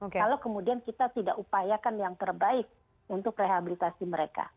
kalau kemudian kita tidak upayakan yang terbaik untuk rehabilitasi mereka